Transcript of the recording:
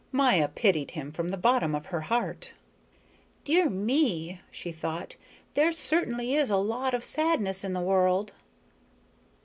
Maya pitied him from the bottom of her heart. "Dear me," she thought, "there certainly is a lot of sadness in the world."